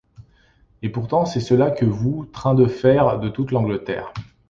Et pourtant c’est cela que vous train de faire de toute l’Angleterre.